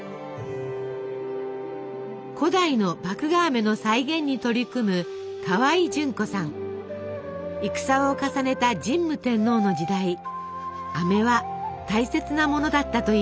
古代の麦芽あめの再現に取り組む戦を重ねた神武天皇の時代あめは大切なものだったといいます。